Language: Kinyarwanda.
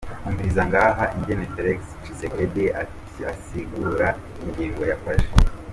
Umviriza ngaha ingene Felix Tshisekedi asigura ingingo yafashe.